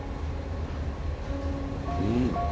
うん。